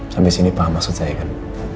sampai sini paham maksud saya kan